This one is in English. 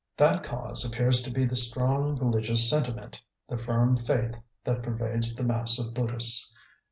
'That cause appears to be the strong religious sentiment, the firm faith, that pervades the mass of Buddhists.